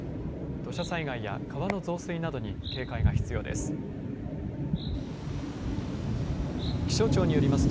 土砂災害や川の増水などに警戒が必要です。